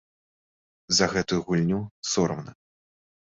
За гэтую гульню сорамна.